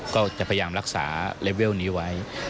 ก็จะพยายามรักษาเลเวลนี้ไว้